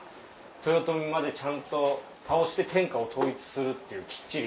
豊臣までちゃんと倒して天下を統一するっていうきっちり。